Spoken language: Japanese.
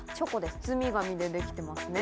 包み紙でできてますね。